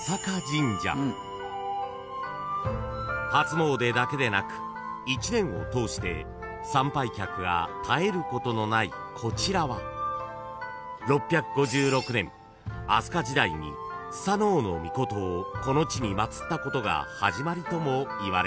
［初詣だけでなく一年を通して参拝客が絶えることのないこちらは６５６年飛鳥時代にすさのをのみことをこの地に祭ったことが始まりともいわれています］